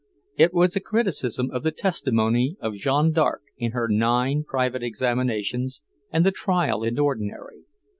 It was a criticism of the testimony of Jeanne d'Arc in her nine private examinations and the trial in ordinary.